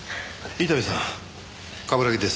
伊丹さん冠城です。